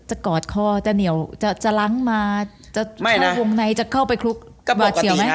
กอดคอจะเหนียวจะล้างมาจะเข้าวงในจะเข้าไปคลุกหวาดเสียวไหม